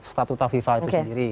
statu tafifah itu sendiri